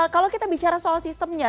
kalau kita bicara soal sistemnya